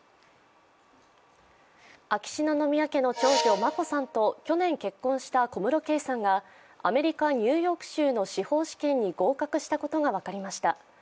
秋篠宮家の長女・眞子さんと去年結婚した小室圭さんがアメリカ・ニューヨーク州の司法試験に合格したことが分かりました。